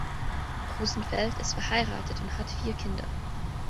Rosenfeld ist verheiratet und hat vier Kinder.